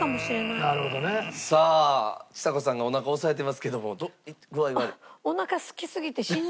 さあちさ子さんがお腹を押さえてますけども具合悪い？